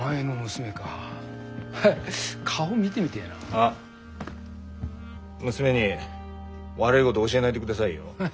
あっ娘に悪いごど教えないでくださいよ？